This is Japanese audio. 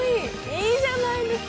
いいじゃないですか。